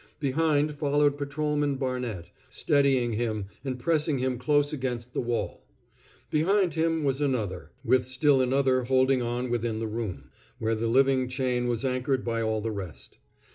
Behind followed Patrolman Barnett, steadying him and pressing him close against the wall. Behind him was another, with still another holding on within the room, where the living chain was anchored by all the rest.